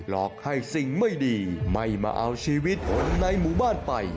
หลอกให้สิ่งไม่ดีไม่มาเอาชีวิตคนในหมู่บ้านไป